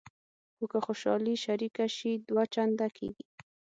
خو که خوشحالي شریکه شي دوه چنده کېږي.